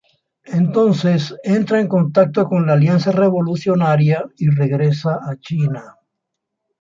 Entonces entra en contacto con la Alianza Revolucionaria y regresa a China.